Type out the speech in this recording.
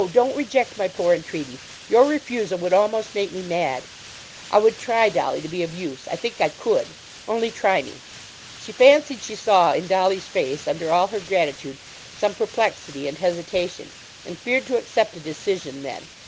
don't reject my poor entreaty. Your refusal would almost make me mad. I would try, Dolly, to be of use. I think I could. Only try me.' She fancied she saw in Dolly's face, under all her gratitude, some perplexity and hesitation, and feared to accept a decision then.